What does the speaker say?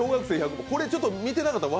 これ、ちょっと見てなかったら